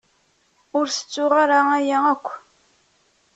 Ur tettuɣ ara aya akk.